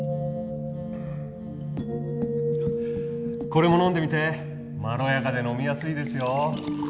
これも飲んでみてまろやかで飲みやすいですよ